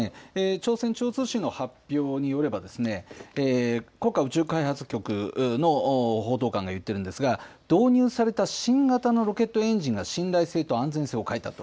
朝鮮中央通信の発表によれば、国家宇宙開発局の報道官が言っているんですが、導入された新型のロケットエンジンが信頼性と安全性を欠いたと。